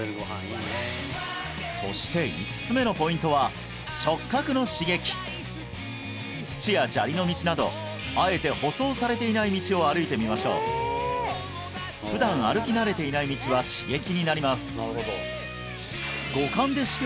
そして５つ目のポイントは触覚の刺激土や砂利の道などあえて舗装されていない道を歩いてみましょう普段歩き慣れていない道は刺激になります